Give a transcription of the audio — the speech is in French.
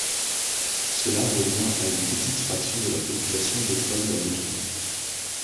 Cela revient à une petite fraction de la population d'étoiles à neutrons.